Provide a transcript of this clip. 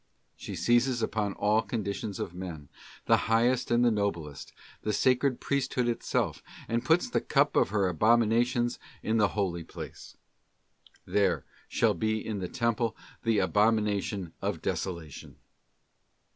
She seizes upon all conditions of men, the highest and the noblest, the sacred Priesthood itself, and puts the cup of her abominations in the holy place: 'There shall be in the Temple the abo mination of desolation.